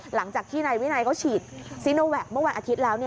หลังจากที่นายวินัยเขาฉีดซีโนแวคเมื่อวันอาทิตย์แล้ว